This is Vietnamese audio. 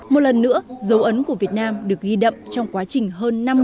một lần nữa dấu ấn của việt nam được ghi đậm trong quá trình hơn năm năm